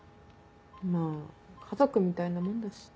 まぁ家族みたいなもんだし。